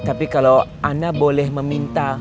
tapi kalau anda boleh meminta